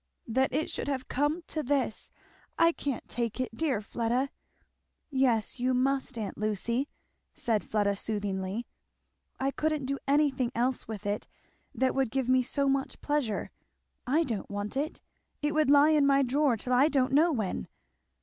"That it should have come to this! I can't take it, dear Fleda!" "Yes you must, aunt Lucy," said Fleda soothingly. "I couldn't do anything else with it that would give me so much pleasure. I don't want it it would lie in my drawer till I don't know when.